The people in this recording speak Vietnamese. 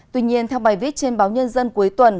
tuy nhiên theo bài viết trên báo nhân dân cuối tuần